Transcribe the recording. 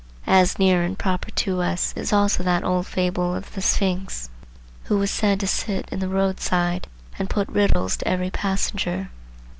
As near and proper to us is also that old fable of the Sphinx, who was said to sit in the road side and put riddles to every passenger.